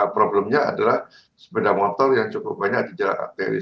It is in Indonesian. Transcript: problemnya adalah sepeda motor yang cukup banyak di jalan arteri